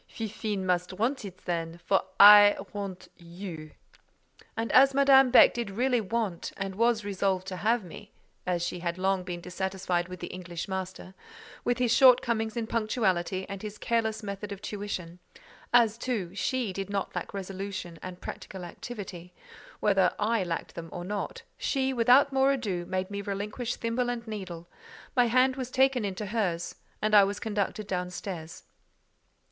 "Fifine must want it, then, for I want you." And as Madame Beck did really want and was resolved to have me—as she had long been dissatisfied with the English master, with his shortcomings in punctuality, and his careless method of tuition—as, too, she did not lack resolution and practical activity, whether I lacked them or not—she, without more ado, made me relinquish thimble and needle; my hand was taken into hers, and I was conducted down stairs.